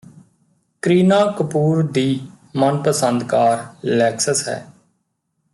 ਕਰੀਨਾ ਕਪੂਰ ਦੀ ਮਨਪਸੰਦ car Lexus ਹੈ